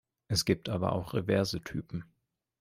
Es gibt aber auch reverse Typen.